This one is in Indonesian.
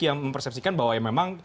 yang mempersepsikan bahwa memang